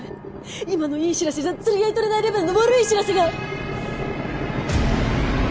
今のいい知らせじゃ釣り合い取れないレベルの悪い知らせが！